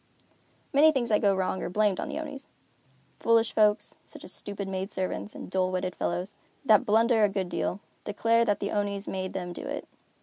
Many things that go wrong are blamed on the Onis. Foolish folks, such as stupid maid servants, and dull witted fellows, that blunder a good deal, declare that the Onis made them do it.